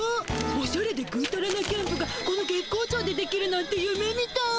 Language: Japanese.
おしゃれでぐーたらなキャンプがこの月光町でできるなんてゆめみたい。